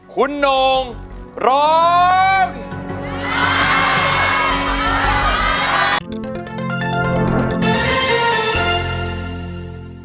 คุณองค์ร้องได้